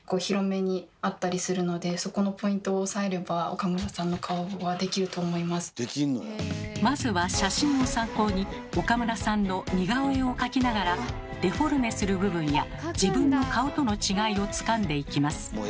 岡村さんの顔はまずは写真を参考に岡村さんの似顔絵を描きながらデフォルメする部分や自分の顔との違いをつかんでいきます。